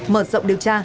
mở rộng điều tra